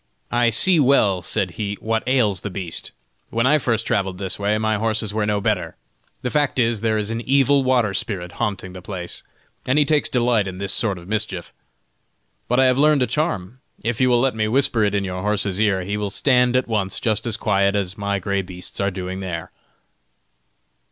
"I see well," said he, "what ails the beast. When I first travelled this way, my horses were no better. The fact is, there is an evil water spirit haunting the place, and he takes delight in this sort of mischief. But I have learned a charm; if you will let me whisper it in your horse's ear, he will stand at once just as quiet as my gray beasts are doing there."